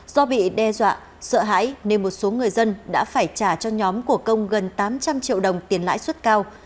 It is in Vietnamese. do bị đe dọa sợ hãi nên một số người dân đã phải trả cho nhóm của công gần tám trăm linh triệu đồng tiền lãi suất cao